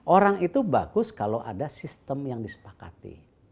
orang itu bagus kalau ada sistem yang disepakati